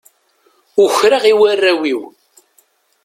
Ukreɣ i warraw-iw.